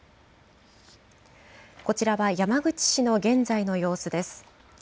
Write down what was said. こちらは山口市の現在の様子です。